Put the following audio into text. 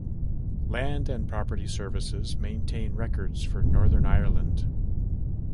Land and Property Services maintain records for Northern Ireland.